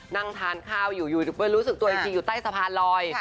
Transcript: นั่งทานข้าวอยู่อยู่ไปรู้สึกตัวอีกทีอยู่ใต้สะพานลอย